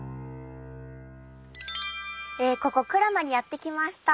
ここ鞍馬にやって来ました。